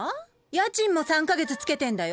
家賃も３か月ツケてんだよ？